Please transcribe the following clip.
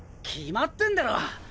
決まってんだろ！